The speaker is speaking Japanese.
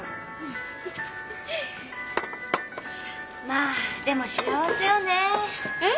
まあでも幸せよねえ。